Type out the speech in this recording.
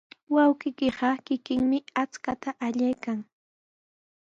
Wawqiiqa kikinmi akshuta allaykan.